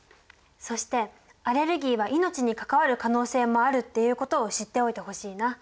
そしてアレルギーは命に関わる可能性もあるっていうことを知っておいてほしいな。